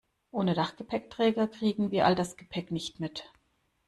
Ohne Dachgepäckträger kriegen wir all das Gepäck nicht mit.